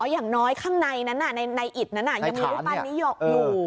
อย่างน้อยข้างในนั้นในอิดนั้นยังมีรูปปั้นนี้หยกอยู่